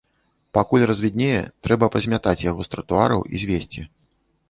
Пакуль развіднее, трэба пазмятаць яго з тратуараў і звезці.